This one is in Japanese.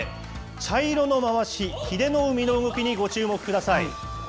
茶色のまわし、英乃海の動きにご注目ください。